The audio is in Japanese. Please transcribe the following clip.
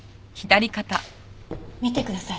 見てください